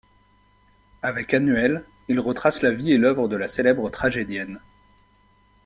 Avec annuels, il retrace la vie et l’œuvre de la célèbre tragédienne.